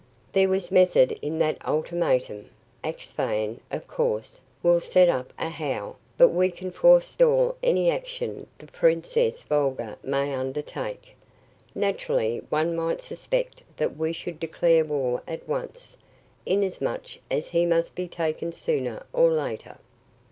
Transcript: "There was method in that ultimatum. Axphain, of course, will set up a howl, but we can forestall any action the Princess Volga may undertake. Naturally, one might suspect that we should declare war at once, inasmuch as he must be taken sooner or later.